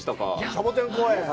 シャボテン公園。